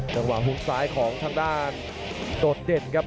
จังหวะฮุกซ้ายของทางด้านโดดเด็ดครับ